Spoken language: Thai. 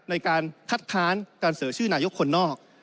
ในการคัดค้านการเสนอชื่อนายกคนนอก